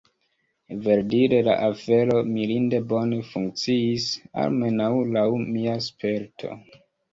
Verdire la afero mirinde bone funkciis, almenaŭ laŭ mia sperto.